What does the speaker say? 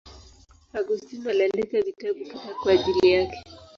Augustino aliandika vitabu kadhaa kwa ajili yake.